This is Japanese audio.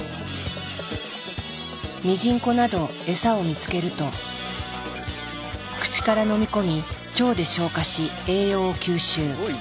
ミジンコなどエサを見つけると口からのみ込み腸で消化し栄養を吸収。